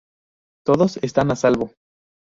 Todos están a salvo.